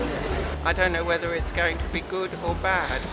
biasanya saya harus berangkat tiga jam sebelum berangkat